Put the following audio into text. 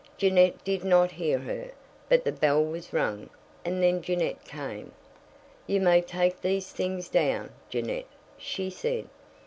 Jeannette did not hear her, but the bell was rung, and then Jeannette came. "You may take these things down, Jeannette," she said.